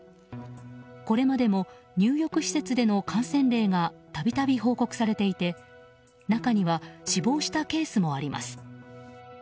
これまでも、入浴施設での感染例が度々、報告されていて中には死亡したケースもあります。